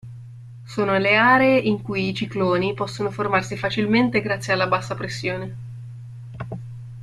Sono le aree in cui i cicloni possono formarsi facilmente grazie alla bassa pressione.